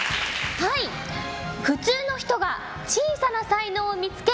普通の人が小さな才能を見つけ